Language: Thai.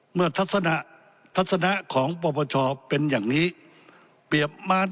เมื่อทัศนะของประประชาเป็นอย่างนี้